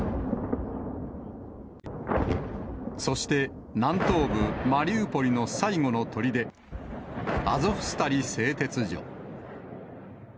そして、南東部マリウポリの最後のとりで、アゾフスタリ製鉄所。